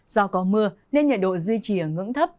do có mưa nên nhiệt độ duy trì ở ngưỡng thấp